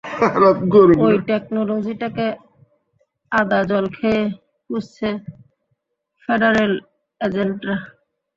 ঐ টেকনোলজিটাকে আদা-জল খেয়ে খুঁজছে ফেডারেল এজেন্টরা।